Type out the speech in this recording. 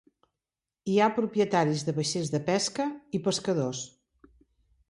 Hi ha propietaris de vaixells de pesca i pescadors.